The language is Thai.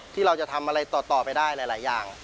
ที่เราจะทำอะไรต่อไปได้หลายอย่าง